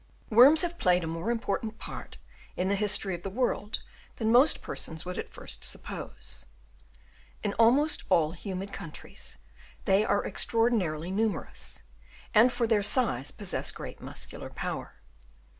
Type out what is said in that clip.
Worms have played a more important part in the history of the world than most persons would at first suppose. In almost all humid countries they are extraordinarily numerous, and for their size possess great muscular power.